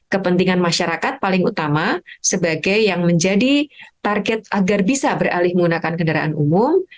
kepentingan masyarakat paling utama sebagai yang menjadi target agar bisa beralih menggunakan kendaraan umum